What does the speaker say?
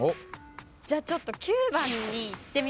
じゃあちょっと９番にいってみます。